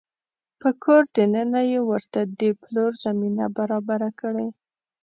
په کور دننه يې ورته د پلور زمینه برابره کړې